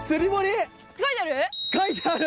書いてある？